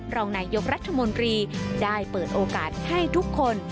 รองนายยกรัฐมนตรีได้เปิดโอกาสให้ทุกคน